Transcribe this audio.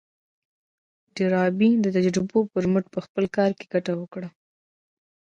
ډاربي د تجربو پر مټ په خپل کار کې ګټه وکړه.